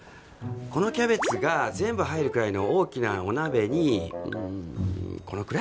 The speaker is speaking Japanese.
このキャベツが全部入るくらいの大きなお鍋にうんこのくらい？